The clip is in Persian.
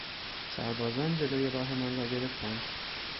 سربازان جلو راهمان را گرفتند.